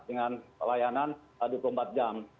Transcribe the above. dengan pelayanan aduk empat jam